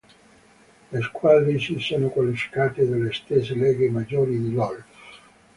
Le squadre si sono qualificate dalle sette leghe maggiori di "LoL".